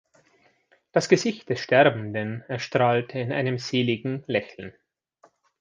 Das Gesicht des Sterbenden erstrahlt in einem seligen Lächeln.